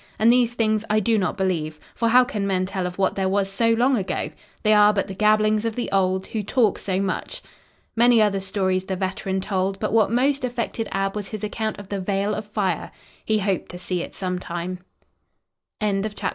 And these things I do not believe, for how can men tell of what there was so long ago? They are but the gabblings of the old, who talk so much." Many other stories the veteran told, but what most affected Ab was his account of the vale of fire. He hoped to see it sometime. CHAPTER XIII.